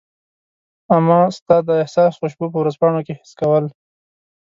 امه ستا د احساس خوشبو په ورځپاڼو کي حس کول